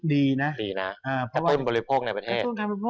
ดีนะจะบึ่งบริโภคในประเทศ